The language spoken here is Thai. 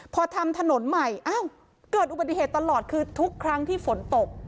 พอทำถนนใหม่อ้าวเกิดอุบัติเหตุตลอดคือทุกครั้งที่ฝนตก